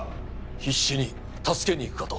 必死に助けに行くかと。